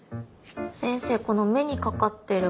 先生この目にかかってるここの。